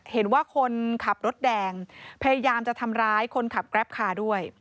เห็นว่าคนขับรถแดงพยายามจะทำร้ายคนขับแกรปคาด้วย